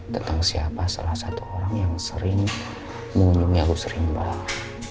tentang siapa salah satu orang yang sering mengunjungi aku sering banget